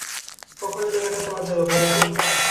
কখন এলে তাঁকে পাওয়া যাবে বলা তো?